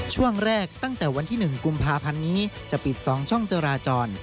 ช่วงแรกตั้งแต่วันที่๑กุมภาพันธ์นี้จะปิด๒ช่องจราจร